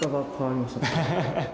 ハハハ